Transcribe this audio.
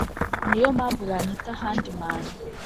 niyo mpamvu banyita handy man